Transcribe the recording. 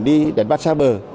đi đánh bắt xa bờ